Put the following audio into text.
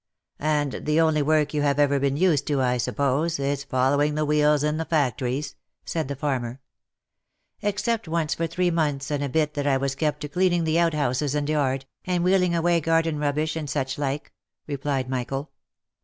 " And the only work you have ever been used to, I suppose, is fol lowing the wheels in the factories ?" said the farmer. " Except once for three months and a bit that I was kept to cleaning the outhouses and yard, and wheeling away garden rubbish and such like," replied Michael.